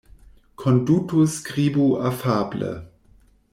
Konduto Skribu afable.